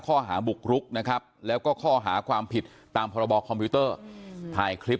ข้อหาบุกรุกนะครับแล้วก็ข้อหาความผิดตามพรบคอมพิวเตอร์ถ่ายคลิป